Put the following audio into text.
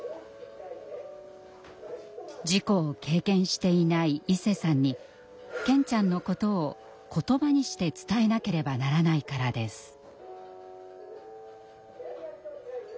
事故を経験していないいせさんに健ちゃんのことを言葉にして伝えなければならないからです。